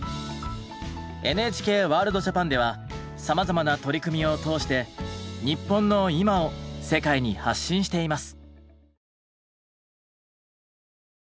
「ＮＨＫワールドＪＡＰＡＮ」ではさまざまな取り組みを通して日本の今を世界に発信しています。